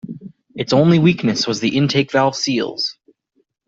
Its only weakness was the intake valve seals.